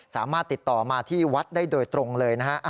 สามารถติดต่อมาที่วัดได้โดยตรงเลยนะฮะ